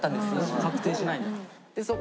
確定しないんだ。